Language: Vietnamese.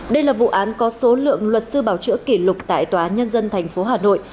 đây là vụ án có số lượng luật sư bảo chữa kỷ lục tại tòa án nhân dân tp hà nội